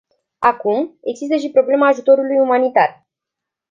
Acum, există și problema ajutorului umanitar.